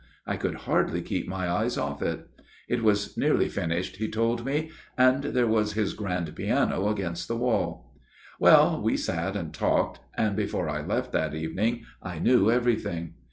I could hardly keep my eyes off it. It was nearly finished, he told me. And there was his grand piano against the wall. 78 A MIRROR OF SHALOTT " Well, we sat and talked ; and before I left that evening I knew everything.